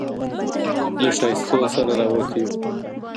له ښايستو سره راوتي يـو